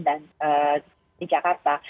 dan di jakarta